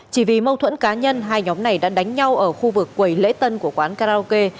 chỉ vì mâu thuẫn cá nhân hai nhóm này đã đánh nhau ở khu vực quầy lễ tân của quán karaoke